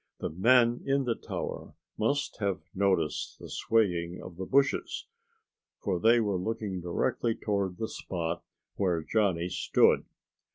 The men in the tower must have noticed the swaying of the bushes, for they were looking directly toward the spot where Johnny stood.